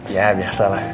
ya biasa lah